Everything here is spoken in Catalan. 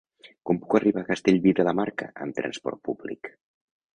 Com puc arribar a Castellví de la Marca amb trasport públic?